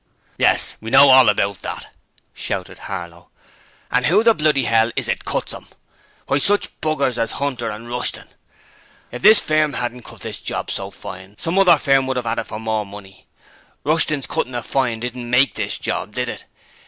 'Yes! We know all about that!' shouted Harlow. 'And who the bloody 'ell is it cuts 'em? Why, sich b rs as 'Unter and Rushton! If this firm 'adn't cut this job so fine, some other firm would 'ave 'ad it for more money. Rushton's cuttin' it fine didn't MAKE this job, did it?